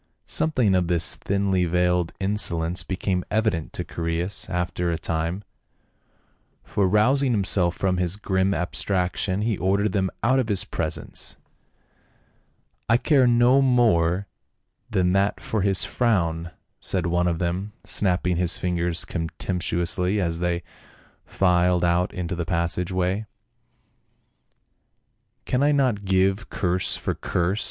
Something of this thinly veiled insolence became evident to Chaereas after a time, for rousing himself from his grim abstraction he ordered them out of his presence. " I care no more than that for his frown," said one of them, snapping his fingers contemptuously as they filed out into the passage way. " Can I not give curse for curse?